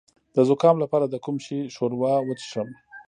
د زکام لپاره د کوم شي ښوروا وڅښم؟